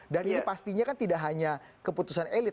dan ini pastinya kan tidak hanya keputusan elit